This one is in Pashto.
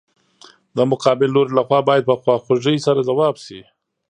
د مقابل لوري له خوا باید په خواخوږۍ سره ځواب شي.